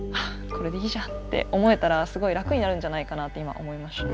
これでいいじゃんって思えたらすごい楽になるんじゃないかなって今思いました。